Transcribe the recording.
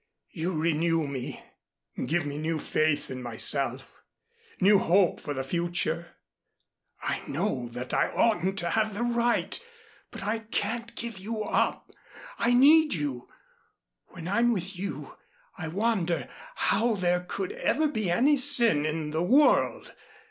"You renew me, give me new faith in myself, new hope for the future. I know that I oughtn't to have the right, but I can't give you up. I need you. When I'm with you, I wonder how there could ever be any sin in the world.